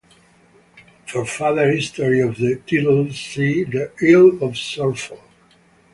For further history of the titles, see the Earl of Suffolk.